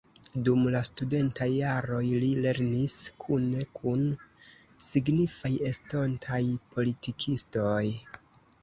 Dum la studentaj jaroj li lernis kune kun signifaj estontaj politikistoj.